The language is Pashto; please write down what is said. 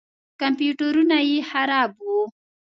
کمپیوټرونه یې خراب وو.